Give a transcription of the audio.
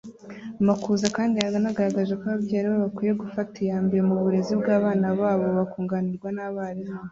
Makuza kandi yanagaragaje ko ababyeyi aribo bakwiye gufata iya mbere mu burezi bw’abana babo bakunganirwa n’abarimu